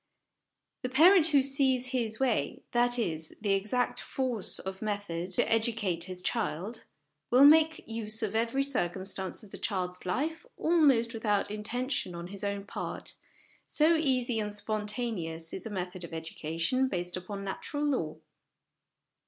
The parent who sees his way that is, the exact force of method to educate his child, will make use of every circumstance of the child's life almost without intention on his own part, so easy and spontaneous is a method of educa tion based upon Natural Law.